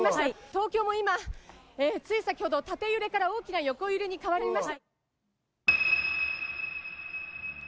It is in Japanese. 東京も今、つい先ほど、縦揺れから大きな横揺れに変わりました。